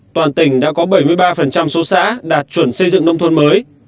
toàn tỉnh đã có bảy mươi ba số xã đạt chuẩn xây dựng nông thôn mới